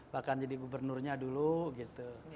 bahkan jadi gubernurnya dulu gitu